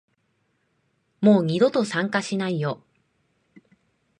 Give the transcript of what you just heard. もう二度と参加しないよ